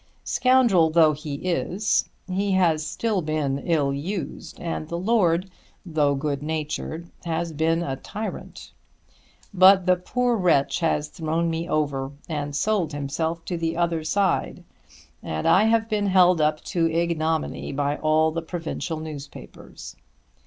Scoundrel though he is, he has still been ill used; and the lord, though good natured, has been a tyrant. But the poor wretch has thrown me over and sold himself to the other side and I have been held up to ignominy by all the provincial newspapers.